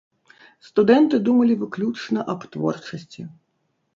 Студэнты думалі выключна аб творчасці.